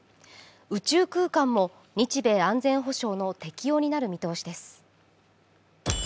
宇宙空間も、日米安全保障の適用になる見通しです。